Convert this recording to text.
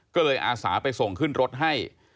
ก็เลยอาสาไปส่งขึ้นรถให้